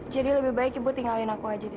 jadi lebih baik ibu tinggalin aku aja deh